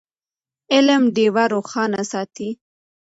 علم ډېوه روښانه ساتي.